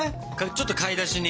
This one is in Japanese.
ちょっと買い出しに。